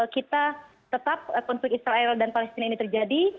kita tetap konflik israel dan palestina ini terjadi